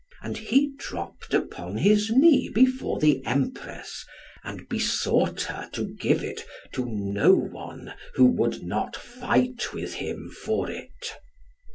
And he dropped upon his knee before the Empress, and besought her to give it to no one who would not fight with him for it.